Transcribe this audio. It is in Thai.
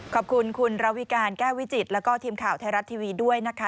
ขอบคุณคุณระวิการแก้ววิจิตแล้วก็ทีมข่าวไทยรัฐทีวีด้วยนะคะ